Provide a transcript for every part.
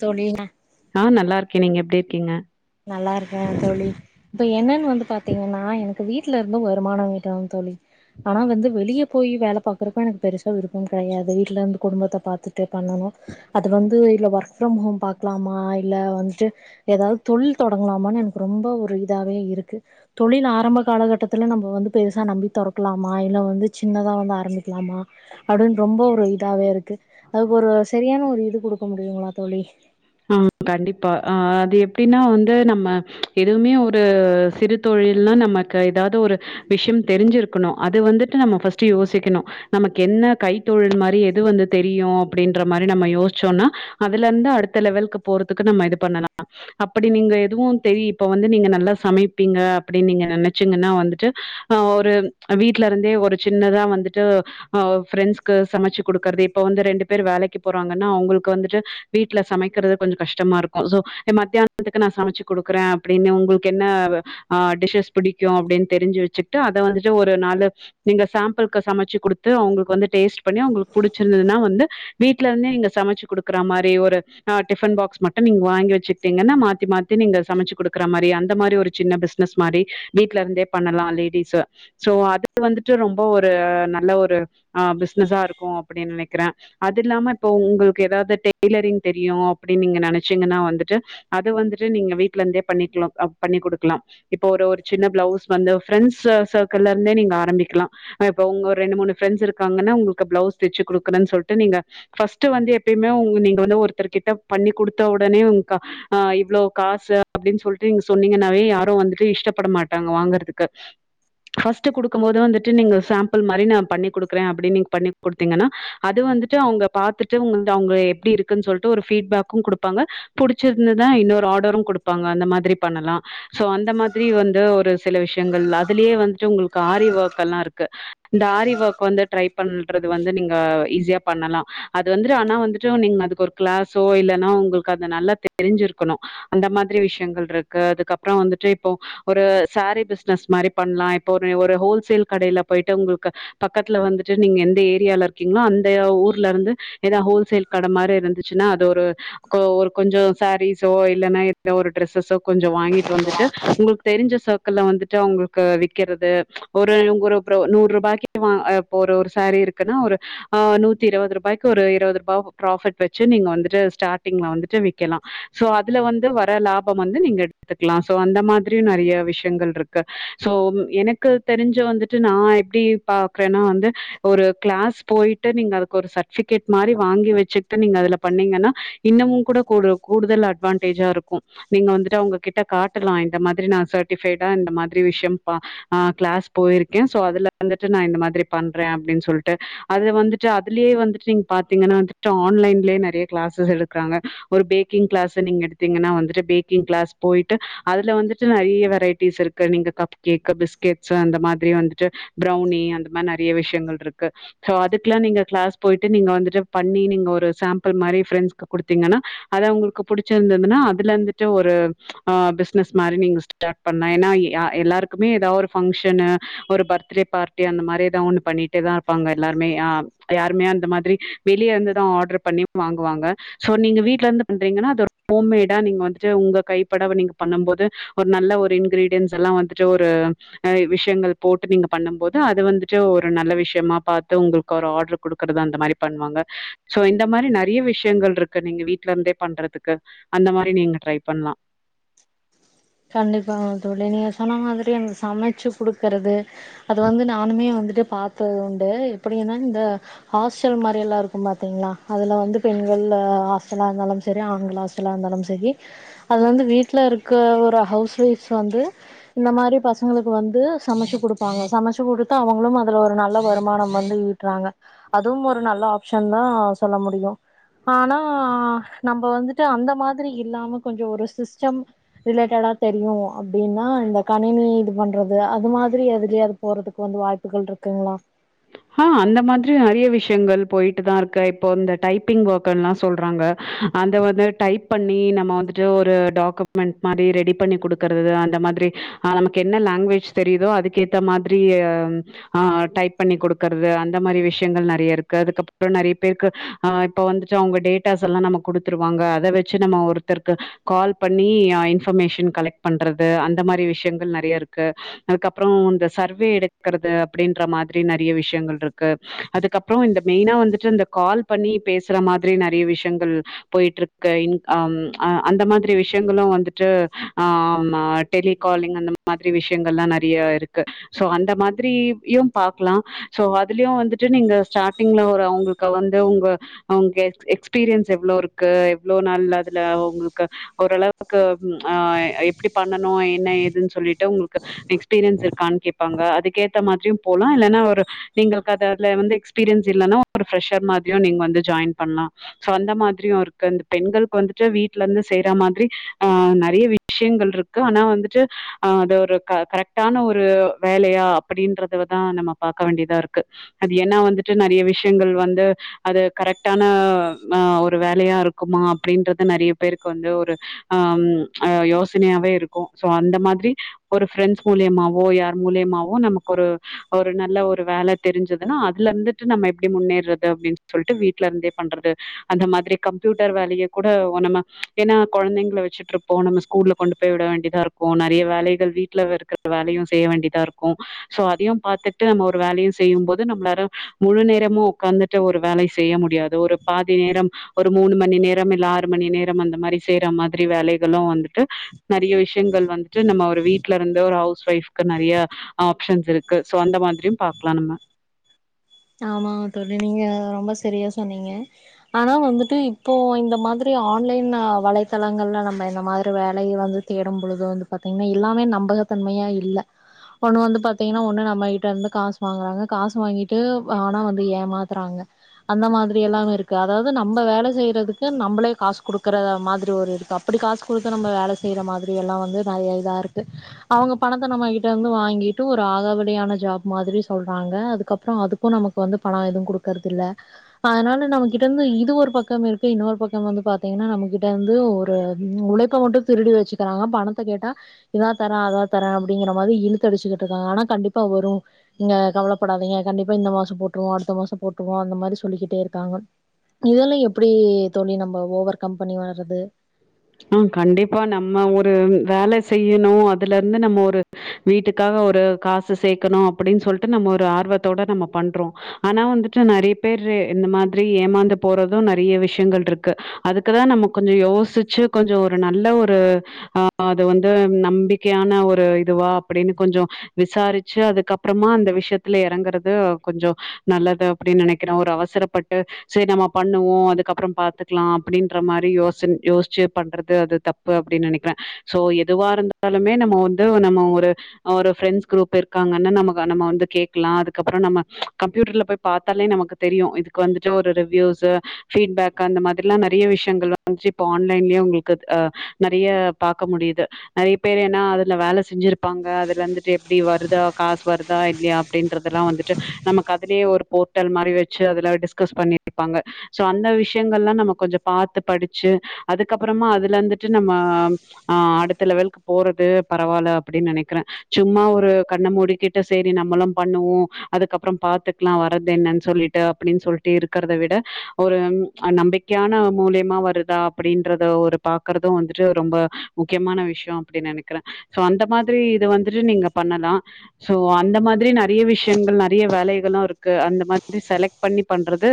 தோழி ந நா நல்லா இருக்க நீங்க எப்டி இருக்கீங்க நல்லா இருக்கற தோழி இப்ப என்னன்னு வந்து பாத்தீங்கன்னா எனக்கு வீட்ல இருந்து வருமானோ ஈட்டனும் தோழி ஆனா வந்து வெளிய போயி வேல பாக்குறக்கு எனக்கு பெருசா விருப்போ கெடயாது வீட்ல இருந்து குடும்பத்த பாத்துட் பண்ணணு அது வந்து இ ஒர்க் ஃபிரம் ஹோம் பாக்லாமா இல்ல வந்துட்டு ஏதாவ்து தொழில் தொடங்கலாமானு எனக்கு ரொம்ப ஒரு இதாவே இருக்கு தொழில் ஆரம்ப காலகட்டத்துல நம்ம வந்து பெருசா நம்பி தொறக்கலாமா இல்ல வந்து சின்னதா வந்து ஆரபிக்கலாமா அப்டினு ரொம்ப ஒரு இதாவே இருக்கு அதுக்கு ஒரு சரியான ஒரு இது குடுக்க முடியுங்களா தோழி ஆ கண்டிப்பா ஆ அது எப்டின்னா வந்து நம்ம எதுமே ஒரு சிறு தொழில்னா நமக்கு ஏதாது ஒரு விஷ்யோ தெரிஞ்சிருக்கணு அது வந்துட்டு நம்ம பர்ஸ்ட் யோசிக்கணு நமக்கு என்ன கைத்தொழில் மாரி எது வந்து தெரியு அப்டின்ற மாரி நம்ம யோஸ்ச்சோனா அதுலருந்து அடுத்த லெவல்க்கு போறதுக்கு நம்ம இது பண்ணலா அப்படி நீங்க எதுவு தெரி இப்ப வந்து நீங்க நல்லா சமைப்பீங்க அப்டின்னு நீங்க நெனச்சீங்கன்னா வந்துட்டு ஆ ஒரு வீட்ல இருந்தே ஒரு சின்னதா வந்துட்டு ஆ ஃபிரெண்ட்ஸ் சமச்சு குடுக்கறது இப்ப வந்து ரெண்டு பேர் வேலைக்கு போறாங்கன்னா அவங்களுக்கு வந்துட்டு வீட் வீட்ல சமைக்கறது கொஞ்சோ கஷ்டமா இருக்கு சோ மத்தியானத்துக்கு வந்து நா சமச்சு குடுக்கற அப்டின்னு உங்ளுக்கு என்ன ஆ டிஷ்ஷஸ் பிடிக்கு அப்டின்னு தெரிஞ்சு வச்சுக்ட்டு அத வந்துட்டு ஒரு நாலு நீங்க சாம்பிள்கு சமச்சு குடுத்து அவங்ளுக்கு வந்து டேஸ்ட் பண்ணி அவங்ளுக்கு புடிச்சிருந்துனா வந்து வீட்ல இருந்தே நீங்க சமச்சு குடுக்குற மாரி ஒரு ஆ டிஃபன் பாக்ஸ் மட்டு நீங்க வாங்கி வச்சுக்டீங்கன்னா மாத்தி மாத்தி நீங்க சமச்சு குடுக்குற மாரி அந்த மாரி ஒரு சின்ன பிஸ் னஸ் மாரி வீட்ல இருந்தே பண்ணலா லேடிஸ்ஸு சோ அதுக்கு வந்துட்டு ரொம்ப ஒரு நல்ல ஒரு ஆ பிஸ்னஸா இருக்கு அப்புடின் நெனக்கற அது இல்லாம இப்போ உங்களுக்கு எதாவது டெய்லரிங் தெரியு அப்டின்னு நீங்க நெனச்சீங்கன்னா வந்துட்டு அது வந்துட்டு நீங்க வீட்ல இருந்தே பண்ணிக்கலா அ பண்ணி் குடுக்கலா இப்போ ஒரு ஓர் சின்ன பிளவுஸ் வந்து ஃப்ரெண்ட்ஸ் செர்க்கிள் ல இருந்தே நீங்க ஆரம்பிக்கலா ஆ இப்ப உங்க ரெண்டு மூணு ஃப்ரெண்ட்ஸ் இருக்காங்கனா உங்ளுக்கு பிளவுஸ் தெச்சு குடுக்கறனு சொல்ட்டு நீங்க ஃபர்ஸ்ட் வந்து எப்பயுமே உங் நீங்க வந்து ஒருத்தர் கிட்ட பண்ணி குடுத்த ஒடனே உங்க்க ஆ இவ்ளோ காசு அப்டின்னு சொல்ட்டு நீங்க சொன்னீங்கனாவே யாரு வந்துட்டு இஷ்டப்பட மாட்டாங்க வாங்குறதுக்கு பர்ஸ்ட் குடுக்கும்போது வந்துட்டு நீங்க சம்புள் மாரி நா பண்ணி குடுக்குறே அப்டி நீங்க பண்ணி குடுத்தீங்கனா அது வந்துட்டு அவுங்க பாத்துட்டு உங்கள்து அவுங்க எப்டி இருக்குன்னு சொல் ட்டு ஒரு பீட்பேக்கு குடுப்பாங்க புடிச்சுருந்துதா இன்னொரு ஆர்டரும் குடுப்பாங்க அந்த மாதிரி பண்ணலா சோ அந்த மாதிரி வந்து ஒரு சில விஷ்யங்கள் அதுலயே வந்துட்டு உங்ளுக்கு ஆரிவொர்க்கெல்லா இருக்கு இந்த ஆரி ஒர்க் வந்து ட்ரை பண்றது வந்து நீங்க ஈஸியா பண்ணலா அது வந்துட்டு ஆனா வந்துட்டு நீங்க அதுக்கு ஒரு க்ளாஸோ இல்லனா உங்களுக்கு அது நல்லா தெரிஞ்சிருக்கணு அந்த மாதிரி விஷ்யங்கள் இருக்கு அதுக்கப்றோ வந்துட்டு இப்போ ஒரு சாரீ பிசினஸ் மாரி பண்லா இப்போ ஒரு ஒரு ஹோல்சேல் கடையில போயிட்டு உங்ளுக்கு பக்கத்துல வந்துட்டு நீங்க எந்த ஏரியால இருக்கீங்ளோ அந்த ஊர்ல இருந்து எதா ஹோல்சேல் கட மாரி இருந்து சுனா அது ஒரு கொ ஒரு கொஞ்சோ சாரீஸோ இல்லன்னா எந்த ஒரு ட்ரெஸ்ஸசோ கொஞ்சோ வாங்கிட்டு வந்துட்டு உங்களுக்கு தெரிஞ்ச ச ஒர்க்குல வந்துட்டு அவங்களுக்கு விக்கிறது ஒரு ஒரு ப்ரோ நூர் ரூபாய்க்கிட்ட வா போற ஒரு ஒரு சாரீ இருக் க்குனா ஒரு நூத்தி இரபது ரூபாய்க்கு ஒரு இரபது ரூபா ப்ராப்பிட் வச் வச்சு நீங்க வந்துட்டு ஸ்டார்டிங்ல வந்துட்டு விக்கலா சோ அதுல வந்து வர லாபம் வந்து நீங்க எடுத்துக்லா சோ அந்த மாதிரியு நெறைய விஷ்யங்கள்ருக் கு சோ எனக்கு தெரிஞ்சு வந்துட்டு நா எப்டி பாக்கறனா வந்து இப்ப ஒரு கிளாஸ் போயிட்டு நீங்க அதுக்கு ஒரு சர்ட்பிகேட் மாரி வாங்கி வச்சு ட்டு நீங்க அதுல பண்ணீங்கன்னா இன்னமு கூட ஒரு கூடுதல் அட்வான்டேஜா இருக்கு நீங்க வந்துட்டு அவுங்ககிட்ட காட்டுலா இந்த மாதிரி நா சர்ட்டிஃபைடா இந்த மாதிரி விஷ்யம் ப ஆ க்ளாஸ் போயிருக்கே சோ அதுல வந்துட்டு நா இந்த மாத்ரி பண்றே அப்டின் சொல்ட்டு அதுல வந்துட்டு அதுலியே வந்துட்டு நீங்க பாத்தீங்கனா வந்துட் டு ஆன்லைன்லே நறைய க்ளாசஸ் எடுக்றாங்க ஒரு பேக்கிங் க்ளாஸ நீங்க எடுத்தீங்கன்னா வந்துட்டு பேக்கிங் க்ளாஸ் போய்ட்டு அதுல வந்துட்டு நெறைய வெரைட்டிஸ் இருக்கு நீங்க கப் கேக்கு பிஸ்கெட்ஸ்சு அந்த மாத்ரி வந்துட்டு பிரௌனி அந்த மாரி நறைய விஷயங்கள் இருக்கு சோ அதுக்குலா நீங்க கிளாஸ் போயிட்டு நீங்க வந்துட்டு படி ண்ணி நீங்க இங்க ஒரு சம்பல் மாரி ஃப்ரெண்ட்ஸ்கு குடுத்தீங்கனா அது அவுங்களுக்கு புடிச்சிருந்ததுன்னா அதுல இருந்துட்டு ஒரு ஆ பிஸ்னஸ் மாரி நீங்க ஸ்டார்ட் பண்ணா ஏனா இ அ எல்லாருக்குமே ஏதோ ஒரு ஃபங்க்ஷனு ஒரு பர்த்டே பார்ட்டி அந்த மாரி ஏதோ ஒன்னு பண்ணிட்டேதா இருப்பாங்க எல்லாருமே ஆ யாருமே அந்த மாத்ரி வெளிய இருந்து தா ஆட்ரு பண்ணி வாங்குவாங்க சோ நீங்க வீட்லருந்து பண்றீங்கன்னா அது ஒரு ஹோம் மேடா நீங்க வந்துட்டு உங்க கைப்படவ நீங்க பண்ணும்போது ஒரு நல்ல ஒரு இன்கிரீடியன்ஸ் எல்லா வந்துட்டு ஒரு நெறைய விஷ்யங்கள் போட்டு நீங்க பண்ணம் போது அது வந்துட்டு ஒரு நல்ல விஷ்யமா பாத்து உங்குளுக் ஒரு ஆட்ரு குடுக்குறது அந்த மாரி பண்வாங்க சோ இந்த மாரி நெறைய விஷ்யங்கள்ருக்கு நீங்க வீட்ல இருந்தே பண்றதுக்கு அந்த மாரி நீங்க ட்ரை பண்லா கண்டிப்பாங்க தோழி நீ சொன்ன மாதிரி அங்க சமச்சு குடுக்கறது அது வந்து நானுமே வந்துட்டு பாத்தது உண்டு எப்டின்னா இந்த ஹாஸ்டல் மாரி எல்லா இருக்கு பாத்தேங்க்ளா அதுல வந்து பெண்கள் அ ஹாஸ்டலா இருந்தாலும் செரி ஆண்கள் ஹாஸ் த்துல இருந்தாலு சரி அது வந்து வீட் ட்ல இருக்க ஒரு ஹவுஸ் வொய்ஃப் வந்து இந்த மாரி பச பசங்களுக்கு வந்து சமைச்சு குடுப்பாங்க சமைச்சு குடுத்து அவுங்களு அதுல ஒரு நல்ல வருமானம் வந்து ஈட்றாங்க அதுவு ஒரு நல்ல ஆப்ஷன் தா சொல்ல முடியு ஆனா நம்ப வந்துட்டு அந்த மாதிரி இல்லாம கொஞ்சோ ஒரு சிஸ்டம் ரிலேட்டடா தெரியு அப்டின்னா இந்த கணினி இது பண்றது அது மாதிரி எதுலயாவது போறதுக்கு வந்து வாய்ப் க்குகள் இருக்குங்ளா ஆ அந்த மாத்ரி நெறைய விஷ்யங்கள் போயிட்டுதா இருக்கு இப்போ இந்த டைப்பிங் ஒர்க்குன்லா சொல்றாங்க அத வந்து டைப் பண்ணி நம்ம வந்துட்டு ஒரு டாக்குமெண்ட் மாட்ரி ரெடி பண்ணி குடுக்குறது அந்த மாத்ரி ஆ நமக்கு என்ன லாங்குவேஜ் தெரியுதோ அதுக்கேத்த மாதிரி ஆ டைப் பண்ணி குடு க்கறது அந்த மாரி விஷயங்கள் நறைய இருக்கு அதுக்கப்றோ நறைய பேருக்கு ஆ இப்ப வந்து அவங்க டேட் ட்டாஸ் செல்லா நமக்கு குடுத்துருவாங்க அத வச்சு நம்ம ஒருத்தருக்கு கால் பண்ணி ஆ இன்ஃபர்மேஷன் கலெக்ட் பண்றது அந்த மாரி விஷயங்கள் நறைய இருக்கு அதுக்கப்றோ இந்த சர்வே எடுக்கறது அப்டின்ற மாதிரி நற நறைய விஷயங்கள் இருக்கு அதுக்கப்றோ இந்த மெயினா வந்துட்டு இந்த கால் பண்ணி பேசுற மாதிரி நறைய விஷயங்கள் போயிட்ருக்க இன் அம் ஆ அந்த மாதிரி விஷயங்களு வந்துட்டு ஆ டெலிகாலிங் அந்த மாதிரி விஷயங்கள்லா நறைய இருக்கு சோ அந்த மாதிரி யு பாக் க்லா சோ அதுலயு வந்துட்டு நீங்க ஸ்டார்ட்டிங்ல ஒரு அவுங்குளுக்கு வந்து உங்க அவங்க எக்ஸ் எக்ஸ்பீரியன்ஸ் எவ்ளோ இருக்கு எவ்ளோ நாள் அதுல அவுங்குளுக்கு ஓரளவுக்கு ம் அ எப்டி பண்ணணு என்ன ஏதுன் சொல்லிட்டு உங்குளுக்கு எக்ஸ்பீரியன்ஸ் இருக்கான் கேப்பாங்க அதுக்கேத்த மாத்ரியு போலா இல்லேனா ஒரு நீங்களுக் அத அதுல வந்து எக்ஸ்பீரியன்ஸ் இல்லேனா ஒரு ப்ரெஷர் மாத்ரியு நீங்க வந்து ஜாயின் பண்லா சோ அந்த மாத்ரியு இருக்கு இந்த பெண்களுக் வந்துட்டு வீட்ல இருந்து செய்ற மாத்ரி ஆ நெறைய வி விஷயங்கள் இருக்கு ஆனா வந்துட்டு ஆ அது ஒரு க கரெக்டான ஒரு வேலையா அப்டின்றத வந் தா நம்ம பாக்க வேண்டியதாருக்கு அது ஏனா வந்துட்டு நறைய விஷயங்கள் வந்து அது கரெக்டான ஆ ஒரு வேலையா இருக்குமா அப்டின்றது நறைய பேருக்கு வந்து ஒரு ஆ ம் அ யோசனையாவே இருக்கு சோ அந்த மாத்ரி ஒரு ஃப்ரெண்ட்ஸ் மூலியமாவோ யார் மூலியமாவோ நமக் ஒரு ஒரு நல்ல ஒரு வேல தெரிஞ்சதுன்னா அதுல இருந்துட்டு நம்ம எப்டி முன்னேர்றது அப்டின் சொல்ட்டு வீட்ல இருந்தே பண்றது அந்த மாதிரி கம்ப்யூட்டர் வேலைய கூட நம்ம ஏன்னா கொழந்தைங்கல வச்சுட்டு இருப்போ நம்ம ஸ்கூல்ல கொண்டு போய் விட வேண்டியதா இருக்கு நெறைய வேலைகள் வீட்ல இருக்குற வேலையு செய்ய வேண்டியதா இருக்கு சோ அதையு பாத் விட்டுட்டு நம்ம ஒரு வேலையும் செய்யும் போது நம்ளாரும் முழு நேரமு உக்காந்துட்டு ஒரு வேலை செய்ய முடியாது ஒரு பாதி நேரம் ஒரு மூணு மணி நேரம் இல்ல ஆறு மணி நேரம் அந்த மாரி செய்யிற மாதிரி வேலைகளும் வந்துட்டு நறையா விஷயங்கள் வந்துட்டு நம்ம ஒரு வீட்ல இருந்து ஒரு ஹவுஸ் ஒய்ஃப்க்கு நறைய ஆப்ஷன்ஸ் இருக்கு சோ அந்த மாதிரியு பாக்கலா நம்ம ஆமாங்க தோழி நீங்க ரொம்ப சரியா சொன்னீங்க ஆனா வந்துட்டு இப்போ இந்த மாதிரி ஆன்லைன்ல வலைத்தளங்கள்ல நம்ப இந்த மாதிரி வேலையை வந்து தேடும் பொழுது வந்து பாத்தீங்கன்னா எல்லாமே நம்பகத்தன்மையா இல்ல ஒண்ணு வந்து பாத்தீங்கன்னா ஒண்ணு நம்ம கிட்ட இருந்து காசு வாங்குறாங்க காசு வாங்கிட் இல் ஆனா வந்து ஏமாத்துறாங்க அந்த மாதிரி எல்லாம் இருக்கு அதாவது நம்ப வேலை செய்றதுக்கு நம்பளே காசு குடுக்குற மாதிரி ஒரு இருக்கு அப் அப்டி காசு குடுத்து நம்ப வேலை செய்ற மாதிரி எல்லா வந்து நெறையா இதா இருக்கு அவுங்க பணத்த நம்மகிட்ட இருந்து வாங்கிட்டு ஒரு ஆகாவலியான ஜாப் மாதிரி சொல்றாங்க அதுக்கப் அப்றோ அதுக்கும் நமக்கு வந்து பணம் எதுவும் குடுக்கறது இல்ல அதனால நம்மகிட்ட இருந்து இது ஒரு பக்கம் இருக்க இன்னொரு பக்கம் வந்து பாத்தீங்கன்னா நம்மகிட்ட இருந்து ஒரு உழைப் போட்டு திருடி வச்சுக்குறாங்க பணத்த கேட்டா இதா தர்றே அதா தர்றே அப்டிங்குற மாரி இழுத்து அடிச்சிக்கிட்டு இருக்காங்க ஆனா கண்டிப்பா வரு நீங்க கவலப்படாதீங்க கண்டிப்பா இந்த மாசோ போட்டுருவோ அடுத்த மாசோ போட்டுருவோ அந்த மாரி சொல்லிக்கிட்டே இருக்காங்க இதெல்லா எப்டி தோழி நம்ம ஓவர் கம்பெனி வளர்றது ஆ கண்டிப்பா நம்ம ஒரு வேல செய்யிணு அதுல இருந்து நம்ம ஒரு வீட்டுக்காக ஒரு காசு சேக்கணு அப்டின் சொல்லிட்டு நம்ம ஒரு ஆர்வத்தோட நம்ம பண்றோ ஆனா வந்துட்டு நெறைய பேரு இந்த மாதிரி ஏமாந்து போறது நெறைய விஷயங்கள் இருக்கு அதுக்குதா நம்ம கொஞ்சோ யோசிச்சி கொஞ்சோ ஒரு நல்ல ஒரு ஆ அது வந்து நம்பிக்கையான ஒரு இதுவா அப்டின்னு கொஞ்சோ விசாரிச்சி அதுக்கப்றமா அந்த விஷயத்துல இறங்குறது கொஞ்சோ நல்லது அப்டின் நனைக்கிற ஒரு அவசரப்பட்டு சேரி நம்ம பண்ணுவோ அதுக்கப்பறோ பாத்துக்கலா அப்டின்ற மாரி யோசன யோச ச்சி பண்றது அது தப்பு அப்டின்னு நெனைக்கிறே சோ எதுவா இருந்தாலுமே நம்ம வந்து நம்ம ஒரு ஒரு ஃப்ரெண்ட்ஸ் குரூப்பு இருக்காங்கனு நமக்கு நம்ம வந்து கேக்கலா அதுக்கப்றோ நம்ம கம்யூட்டர்ல போய் பாத்தாலே நமக்கு தெரியு இதுக்கு வந்துட்டு ஒரு ரிவ்யூஸ்சு ஃபீட்பேக் அந்த மாதிரிலா நெறைய விஷயங்கள் வந்துச்சி இப்ப ஆன் லைன்லயே உங்களுக்கு அ நறைய பாக்க முடியுது நெறைய பேர் ஏன்னா அதுல வேல செஞ்சிருப்பாங்க அதுல இருந்துட்டு எப்டி வருதா காசு வருதா இல்லையா அப்டின்றதெல்லா வந்துட்டு நமக்கு அதுலயே ஒரு போர்ட்டல் மாரி வச்சி அதுல டிஸ்கஸ் பண்ணிருப்பாங்க சோ அந்த விஷயங்கள்லா நம்ம கொஞ்சோ பாத்து படிச்சு அதுக்கப்றமா அதுல இருந்துட்டு நம்ம ஆ அடுத்த லெவலுக்கு போறது பரவால்ல அப்டின் நெனைக்கிறே சும்மா ஒரு கண்ண மூடிக்கிட்டு சேரி நம்மளும் பண்ணுவோ அதுக்கப்றோ பாத்துக்லா வர்றது என்னன் சொல்லிட்டு அப்டின் சொல்லிட்டு இருக்கறத விட ஒரு நம்பிக் க்யான மூலியமா வருதா அப்டின்றத ஒரு பாக்குறது வந்துட்டு ரொம்ப முக்கியமான விஷயோ அப்டின் நெனைக்கிறே சோ அந்த மாதிரி இது வந்துட்டு நீங்க பண்ணலா சோ அந்த மாதிரி நெறைய விஷயங்கள் நெறைய வேலைகளு இருக்கு அந்த மாதிரி செலக்ட் பண்ணி பண்றது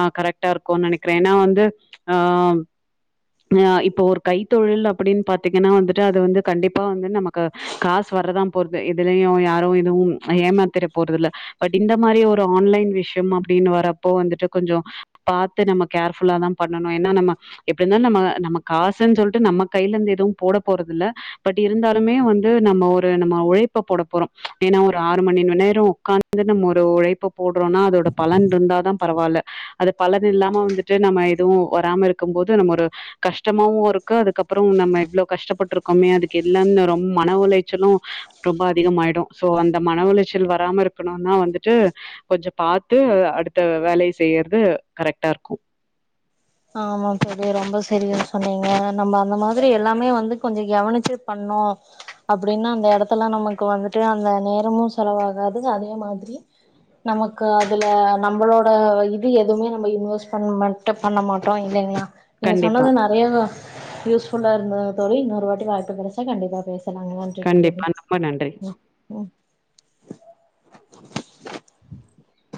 ஆ கரெக்ட்டா இருக்குன்னு நெனைக்கிறே ஏன்னா வந்து ஆ அ இப்போ ஒரு கைத்தொழில் அப்டின் பாத்தீங்கனா வந்துட்டு அது வந்து கண்டிப்பா வந்து நமக்கு காசு வர்றதா போறது இதுலயு யாரு எதுவு ஏமாத்திர போறது இல்ல பட் இந்த மாரி ஒரு ஆன்லைன் விஷ்யம் அப்டின்னு வர்றப்ப வந்துட்டு கொஞ்சோ பாத்து நம்ம கேர்ஃபுல்லாதா பண்ணணு ஏனா நம்ம எப்டி இருந்தாலு நம்ம நம்ம காசுன்னு சொல்ட்டு நம்ம கைலிந்து எதும் போட போறதில்ல பட் இருந்தாலுமே வந்து நம்ம ஒரு நம்ம உழைப்ப போட போறோ ஏனா ஒரு ஆறு மணி நேரம் உக்காந் து நம்ம ஒரு உழைப்ப போடுறோன்னா அதோட பலன் இருந்தாதா பரவால்ல அது பலன் இல்லாம வந்துட்டு நம்ம எதுவு வராம இருக் கும்போது நம்ம ஒரு கஷ்டமாவு இருக்கு அதுக்கப்பறம் நம்ம இவ்ளோ கஷ்டப்பட்ருக்கோமே அதுக்கு இல்லன் ரொம்ப மன உளைச்சலு ரொம்ப அதிகமாயிடு சோ அந்த மன ஒளைச்சல் வராம இருக்கணுனா வந்துட்டு கொஞ்சோ பாத்து அடுத்த வேலய செய்யறது கரெக்டா இருக்கு ஆமாங் தோழி ரொம்ப சரியா சொன்னீங்க நம்ம அந்த மாதிரி எல்லாமே வந்து கொஞ்சோ கெவனிச்சு பண்ணோ அப்டின்னா அந்த எடத்துல நமக்கு வந்துட்டு அந்த நேரமும் செலவாகாது அதே மாதிரி நமக்கு அதுல நம்ளோட இது எதுமே நம்ம இன்வெஸ் பண்ண மட் பண்ண மாட்டோ இல்லைங்ளா நீங்க கண்டிப்பா சொன்னது ந ஏங்க அத யூஸ் ஃபுல்லா இருந்ததுங்க தோழி இன்னொரு வாட்டி வாய்ப்பு கெடைச்சா கண்டிப்பா பேசலாங்ளா கண்டிப்பா நொம்ப நன்றி [inaudible]